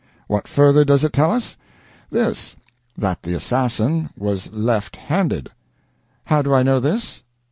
What further does it tell us? This: that the assassin was left handed. How do I know this?